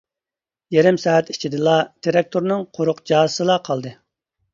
يېرىم سائەت ئىچىدىلا تىراكتورنىڭ قۇرۇق جازىسىلا قالدى.